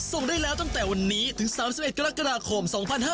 ส่งได้แล้วตั้งแต่วันนี้ถึง๓๑กรกฎาคม๒๕๕๙